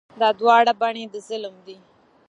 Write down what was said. دا دواړه بڼې د ظلم دي.